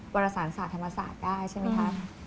วรสารศาสตร์ธรรมศาสตร์ได้ใช่ไหมคะ